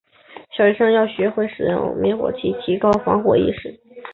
小学生要学会使用灭火器，提高防火意识。